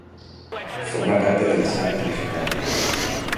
Forma parte de las sagas legendarias.